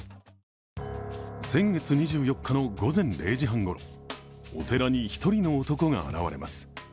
先月２４日の午前０時半ごろお寺に１人の男が現れます。